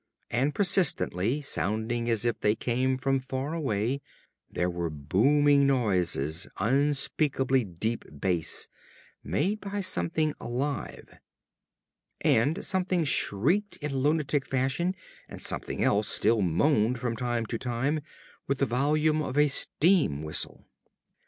And persistently, sounding as if they came from far away, there were booming noises, unspeakably deep bass, made by something alive. And something shrieked in lunatic fashion and something else still moaned from time to time with the volume of a steam whistle....